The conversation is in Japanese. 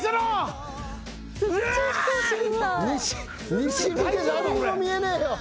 西日で何も見えねえよ。